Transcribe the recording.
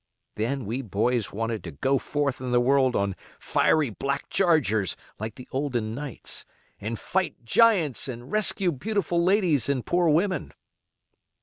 Then we boys wanted to go forth in the world on fiery, black chargers, like the olden knights, and fight giants and rescue beautiful ladies and poor women.